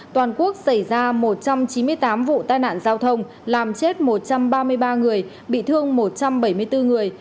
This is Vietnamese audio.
toàn quốc xảy ra một trăm chín mươi tám vụ tai nạn giao thông làm chết một trăm ba mươi ba người bị thương một trăm bảy mươi bốn người